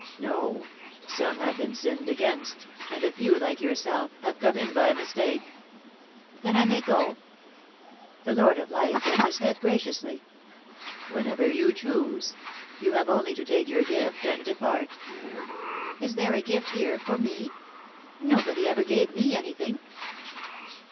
"No, some have been sinned against, and a few, like yourself, have come in by mistake." "Then I may go?" The Lord of Life bent his head graciously. "Whenever you choose. You have only to take your gift and depart." "Is there a gift here for me? Nobody ever gave me anything."